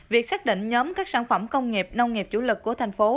việc xác định nhóm các sản phẩm công nghiệp nông nghiệp chủ lực của thành phố